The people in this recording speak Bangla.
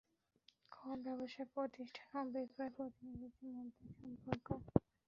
খ. ব্যবসায় প্রতিষ্ঠান ও বিক্রয় প্রতিনিধির মধ্যে সম্পর্ক